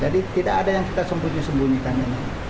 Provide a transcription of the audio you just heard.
jadi tidak ada yang kita sembunyi sembunyikan ini